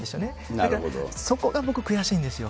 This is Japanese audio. だからそこが僕悔しいんですよ。